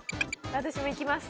私も行きます